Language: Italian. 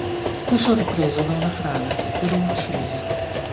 Fu sorpreso da una frana che lo uccise.